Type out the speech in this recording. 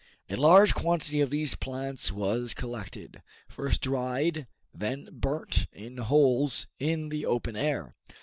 A large quantity of these plants was collected, first dried, then burnt in holes in the open air.